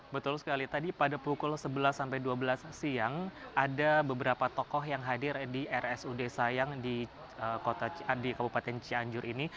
betul sekali tadi pada pukul sebelas sampai dua belas siang ada beberapa tokoh yang hadir di rsud sayang di kabupaten cianjur ini